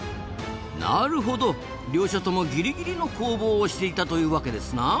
なるほど！両者ともギリギリの攻防をしていたというわけですな。